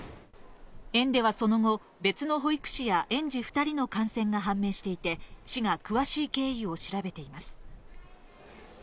園ではその後、別の保育士や園児２人の感染が判明していて、市が詳しい経緯を調べています。